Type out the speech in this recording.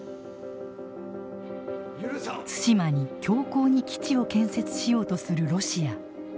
対馬に強硬に基地を建設しようとするロシア。